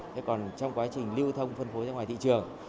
thế còn trong quá trình lưu thông phân phối ra ngoài thị trường